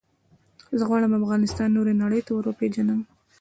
زه غواړم افغانستان نورې نړی ته وروپېژنم.